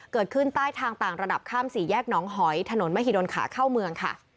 เกิดขึ้นใต้ทางต่างระดับข้ามสี่แยกหนองหอยถนนมหิดลขาเข้าเมืองค่ะ